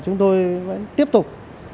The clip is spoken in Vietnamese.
chúng tôi vẫn tiếp tục